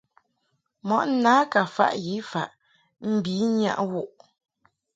Mɔʼ na ka faʼ yi faʼ mbi nyaʼ wu ;g.